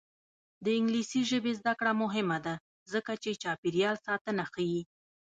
د انګلیسي ژبې زده کړه مهمه ده ځکه چې چاپیریال ساتنه ښيي.